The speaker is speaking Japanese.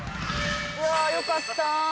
うわあよかった。